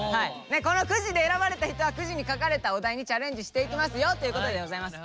このくじで選ばれた人はくじに書かれたお題にチャレンジしていきますよということでございます。